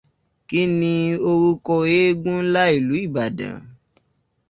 Kíni orúko éégún ńlá ìlú Ìbàdàn?